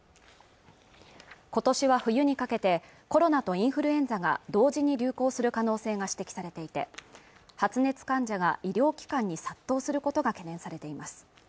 今年は冬にかけてコロナとインフルエンザが同時に流行する可能性が指摘されていて発熱患者が医療機関に殺到することが懸念されています